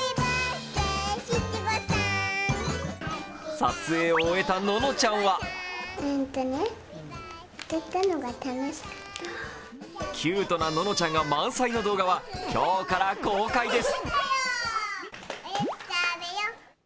撮影を終えた乃々ちゃんはキュートな乃々ちゃんが満載の動画は、今日から公開です。